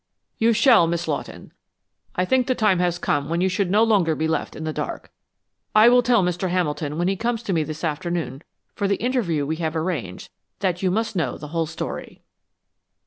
"You shall, Miss Lawton. I think the time has come when you should no longer be left in the dark. I will tell Mr. Hamilton when he comes to me this afternoon for the interview we have arranged that you must know the whole story."